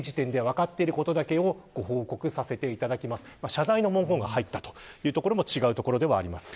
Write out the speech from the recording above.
謝罪の文言が入ったというところも違うところです。